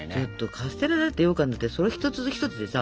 カステラだってようかんだってそれ一つ一つでさ